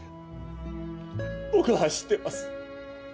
僕は知ってます。